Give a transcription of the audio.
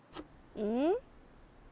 うん？